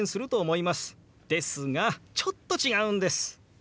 ですがちょっと違うんです。